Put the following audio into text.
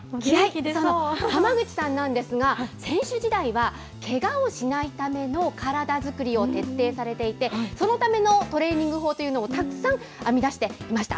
その浜口さんなんですが、選手時代はけがをしないための体作りを徹底されていて、そのためのトレーニング法というのをたくさん編み出していました。